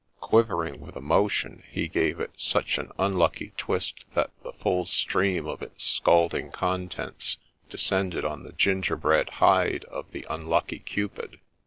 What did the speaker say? Quivering with emotion he gave it such an unlucky twist that the full stream of its scalding contents descended on the gingerbread hide of the unlucky Cupid.